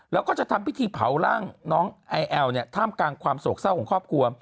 แล้วก็จะทำพิธีเผาร่างน้องไอแอลเนี่ยท่ามกลางความโศกเศร้าของครอบครัว